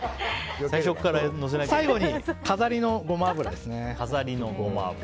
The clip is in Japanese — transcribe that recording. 最後に飾りのゴマ油です。